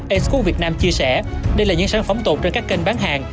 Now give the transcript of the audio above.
a cook việt nam chia sẻ đây là những sản phẩm tồn trên các kênh bán hàng